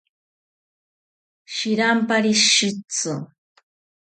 Shirampari shitzi